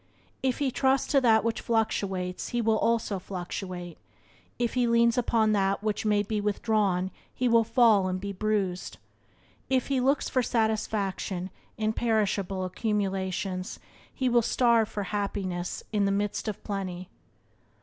If he trusts to that which fluctuates he also will fluctuate; if he leans upon that which may be withdrawn he will fall and be bruised; if he looks for satisfaction in perishable accumulations he will starve for happiness in the midst of plenty.